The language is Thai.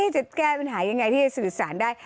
จะแก้ปัญหายังไงที่จะสื่อสารได้